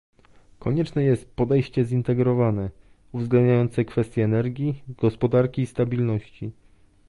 Konieczne jest podejście zintegrowane, uwzględniające kwestie energii, gospodarki i stabilności